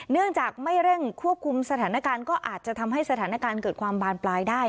เนื่องจากไม่เร่งควบคุมสถานการณ์ก็อาจจะทำให้สถานการณ์เกิดความบานปลายได้